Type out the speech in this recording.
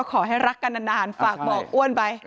ขอให้รักกันนานฝากบอกอ้วนไป